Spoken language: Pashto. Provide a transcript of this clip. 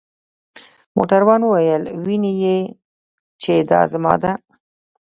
موټروان وویل: وینې يې؟ چې دا زما ده.